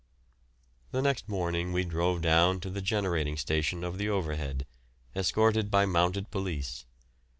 The next morning we drove down to the generating station of the Overhead, escorted by mounted police.